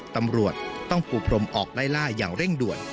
ตำรวจต้องปูพรมออกไล่ล่าอย่างเร่งด่วน